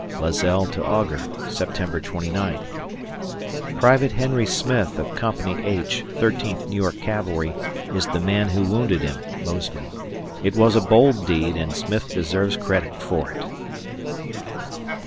[Lazelle to Augur] September 29th. Private Henry Smith, of Company H, Thirteenth New York Cavalry, is the man who wounded him (Mosby). It was a bold deed, and Smith deserves credit for it.